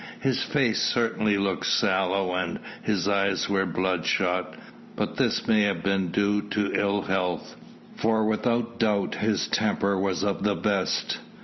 His face certainly looked sallow and his eyes were bloodshot, but this may have been due to ill health, for without doubt his temper was of the best.